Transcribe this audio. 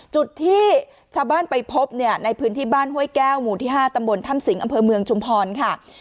จุดที่ชาวบ้านไปพบเนี่ยในพื้นที่บ้านห้วยแก้วหมู่ที่๕ตำบลถ้ำสิงห์อำเภอเมืองชุมพรค่ะ